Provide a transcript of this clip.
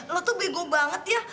lo tuh bego banget ya